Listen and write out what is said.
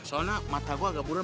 soalnya mata gue agak buron